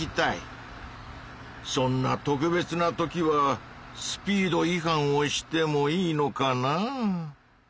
そんな特別な時はスピードい反をしてもいいのかなぁ。